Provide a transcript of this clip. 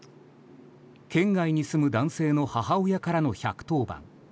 県外に住む男性の母親からの１１０番。